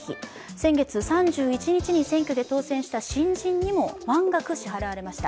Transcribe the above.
先月３１日に選挙で当選した新人にも満額支払われました。